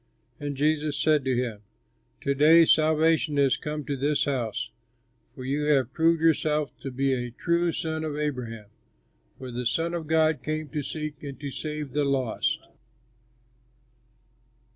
And Jesus said to him, "To day salvation has come to this house, for you have proved yourself to be a true son of Abraham. For the Son of Man came to seek and to save the lost."